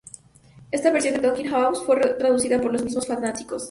Esta versión de Tonkin House fue traducida por los mismos fanáticos.